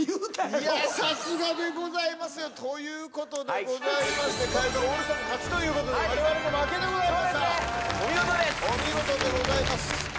いやさすがでございますよということでございまして替え歌オールスターズの勝ちということで我々の負けでございましたそうですねお見事ですお見事でございます